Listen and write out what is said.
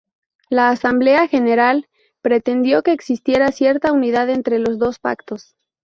La Asamblea General pretendió que existiera cierta unidad entre los dos Pactos.